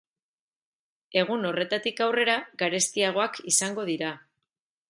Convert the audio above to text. Egun horretatik aurrera, garestiagoak izango dira.